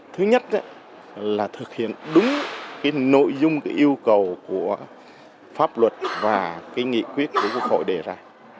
thứ nhất là thực hiện đúng cái nội dung yêu cầu của pháp luật và cái nghị quyết của quốc hội đề ra